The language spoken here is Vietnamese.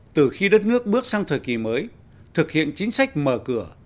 từ khi đất nước bước sang thời kỳ mới thực hiện chính sách mở cửa